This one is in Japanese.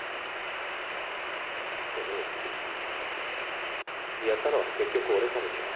それにやったのは結局俺かもしれない。